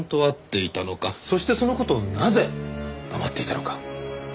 そしてその事をなぜ黙っていたのか。